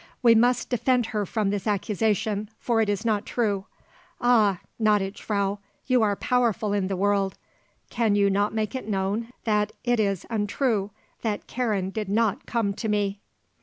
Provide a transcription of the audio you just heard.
We must defend her from this accusation, for it is not true. Ah, gnädige Frau, you are powerful in the world. Can you not make it known that it is untrue, that Karen did not come to me?"